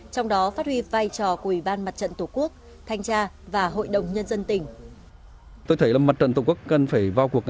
trong đó phát huy vai trò của ủy ban mặt trận tổ quốc